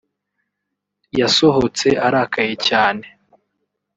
yasohotse arakaye cyane